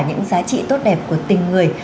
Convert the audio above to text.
những giá trị tốt đẹp của tình người